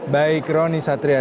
baik roni satria